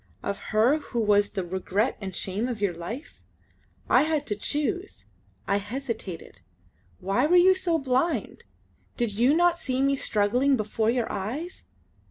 Of her who was the regret and shame of your life? I had to choose I hesitated. Why were you so blind? Did you not see me struggling before your eyes?